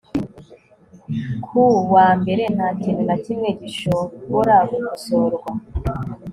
ku wa mbere nta kintu na kimwe gishobora gukosorwa